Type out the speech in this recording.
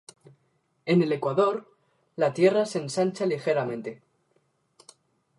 En el ecuador, la Tierra se ensancha ligeramente.